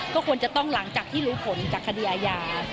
ก็ควรจะต้องหลังจากที่รู้ผลจากคดีอาญา